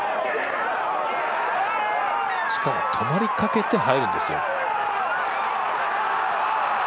しかも、止まりかけて入るんですよ。